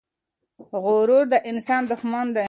غرور د انسان دښمن دی.